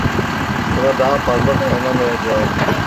Buna daha fazla dayanamayacağım.